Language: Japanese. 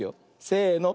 せの。